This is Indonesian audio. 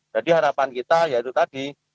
jadi harapan kita yaitu tadi